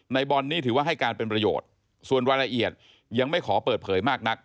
บอลนี่ถือว่าให้การเป็นประโยชน์ส่วนรายละเอียดยังไม่ขอเปิดเผยมากนัก